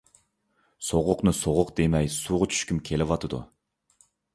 سوغۇقنى سوغۇق دېمەي سۇغا چۈشكۈم كېلىۋاتىدۇ.